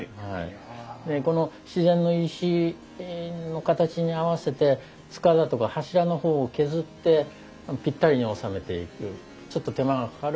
でこの自然の石の形に合わせて束だとか柱の方を削ってぴったりに収めていくちょっと手間がかかる昔の方法ですね。